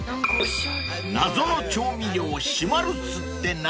［謎の調味料］